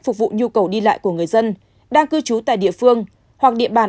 phục vụ nhu cầu đi lại của người dân đang cư trú tại địa phương hoặc địa bàn